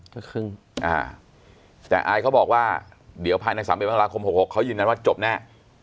ก็ครึ่งแต่อายเขาบอกว่าเดี๋ยวภายใน๓๑มกราคม๖๖เขายืนยันว่าจบแน่